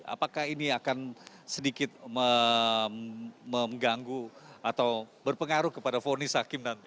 apakah ini akan sedikit mengganggu atau berpengaruh kepada fonis hakim nanti